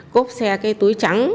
cốp xe cái túi trắng